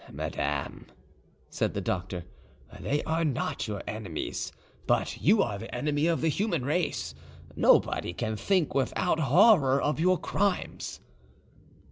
"Madame," said the doctor, "they are not your enemies, but you are the enemy of the human race: nobody can think without, horror of your crimes."